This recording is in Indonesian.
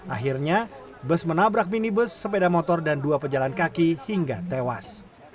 akhirnya bus menabrak minibus sepeda motor dan dua pejalan kaki hingga tewas